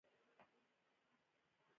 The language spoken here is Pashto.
په لومړۍ برخه کې د ګاندي منتقدینو ته پام شوی.